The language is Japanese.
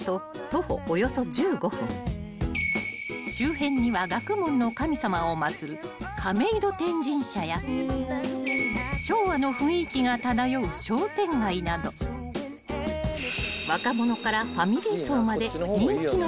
［周辺には学問の神様を祭る亀戸天神社や昭和の雰囲気が漂う商店街など若者からファミリー層まで］